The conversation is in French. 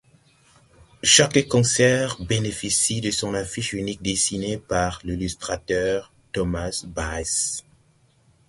Chaque concert bénéficie de son affiche unique dessinée par l’illustrateur Thomas Baas.